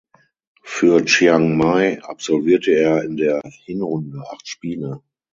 Für Chiangmai absolvierte er in der Hinrunde acht Spiele.